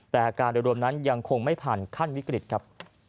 แต่อาการโดยรวมนั้นยังคงไม่ผ่านขั้นวิกฤตครับ